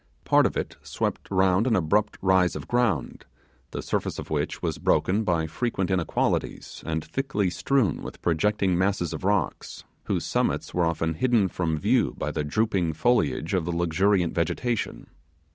Part of it swept around an abrupt rise of ground, the surface of which was broken by frequent inequalities, and thickly strewn with projecting masses of rocks, whose summits were often hidden from view by the drooping foliage of the luxurious vegetation.